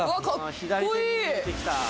左に見えてきた。